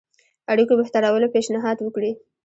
اړيکو بهترولو پېشنهاد وکړي.